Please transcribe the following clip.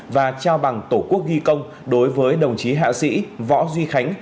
và trao bằng tổ quốc ghi công đối với đồng chí hạ sĩ võ duy khánh